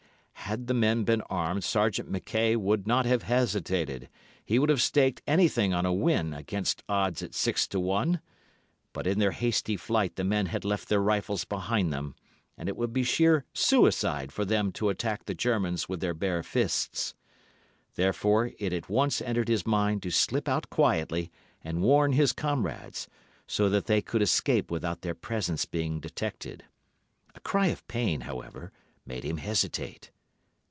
Had the O——s been armed, Sergeant Mackay would not have hesitated—he would have staked anything on a win against odds at six to one, but in their hasty flight the men had left their rifles behind them, and it would be sheer suicide for them to attack the Germans with their bare fists. Therefore it at once entered his mind to slip out quietly and warn his comrades, so that they could escape without their presence being detected. A cry of pain, however, made him hesitate.